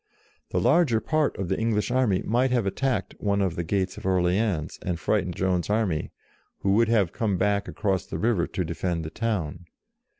The larger part of the Eng lish army might have attacked one of the gates of Orleans, and frightened Joan's army, who would have come back across the river to defend the town.